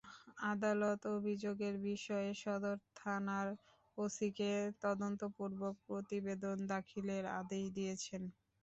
আদালত অভিযোগের বিষয়ে সদর থানার ওসিকে তদন্তপূর্বক প্রতিবেদন দাখিলের আদেশ দিয়েছেন।